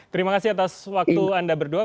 terima kasih atas waktu anda berdua